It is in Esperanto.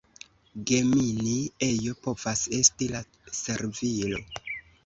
Gemini ejo povas esti la servilo.